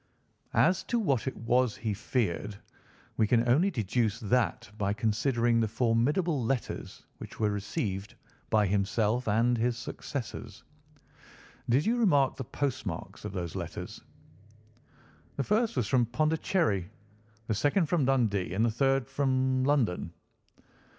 As to what it was he feared, we can only deduce that by considering the formidable letters which were received by himself and his successors. Did you remark the postmarks of those letters?" "The first was from Pondicherry, the second from Dundee, and the third from London."